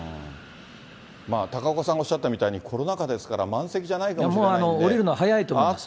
高岡さんがおっしゃったみたいにコロナ禍ですから、満席じゃないかもしれないですね。